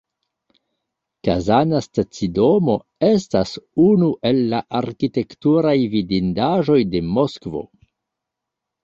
Kazana stacidomo estas unu el arkitekturaj vidindaĵoj de Moskvo.